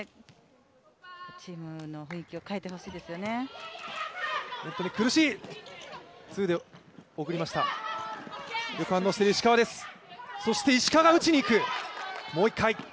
チームの雰囲気を変えてほしいですよね。